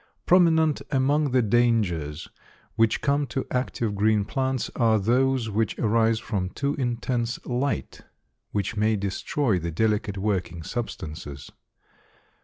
Prominent among the dangers which come to active green plants are those which arise from too intense light, which may destroy the delicate working substances.